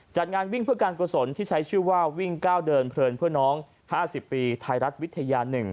จัดงานวิ่งเพื่อการกุศลที่ใช้ชื่อว่าวิ่งก้าวเดินเพลินเพื่อน้อง๕๐ปีไทยรัฐวิทยา๑